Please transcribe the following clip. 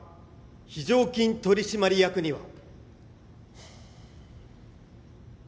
非常勤取締役には。